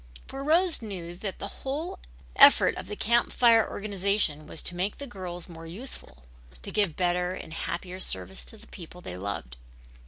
For Rose knew that the whole effort of the Camp Fire organization was to make the girls more useful, to give better and happier service to the people they loved.